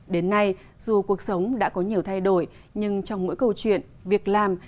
đến nay dù cuộc sống đã có nhiều thay đổi nhưng trong mỗi câu chuyện việc làm